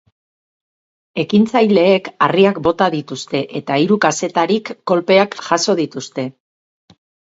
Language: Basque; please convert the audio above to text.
Ekintzaileek harriak bota dituzte, eta hiru kazetarik kolpeak jaso dituzte.